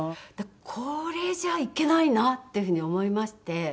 これじゃいけないなっていうふうに思いまして。